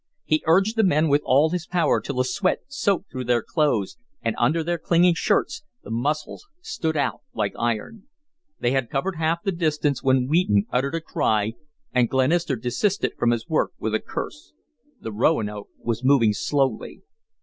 He urged the men with all his power till the sweat soaked through their clothes and, under their clinging shirts, the muscles stood out like iron. They had covered half the distance when Wheaton uttered a cry and Glenister desisted from his work with a curse. The Roanoke was moving slowly.